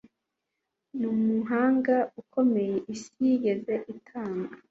Ni umuhanga ukomeye isi yigeze itanga